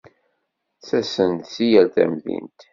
Ttasen-d si yal tamdint.